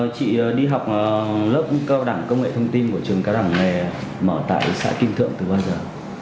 chị đi học lớp cao đẳng công nghệ thông tin của trường cao đẳng nghề mở tại xã kim thượng từ bao giờ